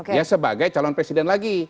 dia sebagai calon presiden lagi